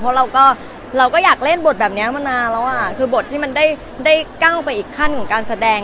เพราะเราก็เราก็อยากเล่นบทแบบนี้มานานแล้วอ่ะคือบทที่มันได้ก้าวไปอีกขั้นของการแสดง